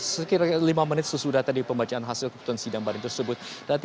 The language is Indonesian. sekiranya lima menit sesudah tadi pembacaan hasil keputusan sidang banding tersebut